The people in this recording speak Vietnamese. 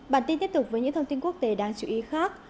bản tin tiếp tục với những thông tin quốc tế đáng chú ý khác